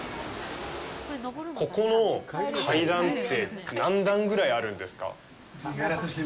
ここの階段って何段ぐらいあるんですか？